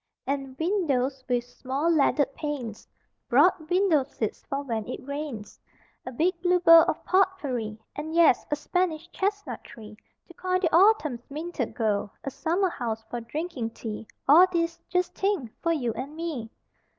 And windows with small leaded panes, Broad window seats for when it rains; A big blue bowl of pot pourri And yes, a Spanish chestnut tree To coin the autumn's minted gold. A summer house for drinking tea All these (just think!) for you and me.